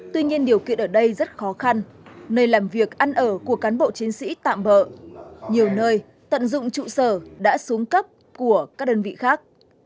tuy nhiên điều kiện ở đây rất khó khăn nơi làm việc ăn ở của cán bộ chiến sĩ tạm bỡ nhiều nơi tận dụng trụ sở đã xuống cấp của các đơn vị khác